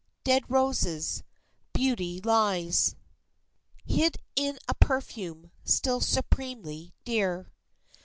Dead roses. Beauty lies Hid in a perfume still supremely dear.